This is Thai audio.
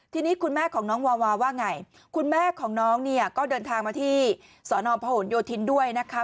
ทีนี้คุณแม่ของน้องวาวาว่าไงคุณแม่ของน้องเนี่ยก็เดินทางมาที่สอนอพหนโยธินด้วยนะคะ